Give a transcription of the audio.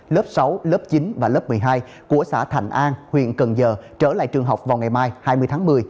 lớp sáu lớp chín và lớp một mươi hai của xã thành an huyện cần giờ trở lại trường học vào ngày mai hai mươi tháng một mươi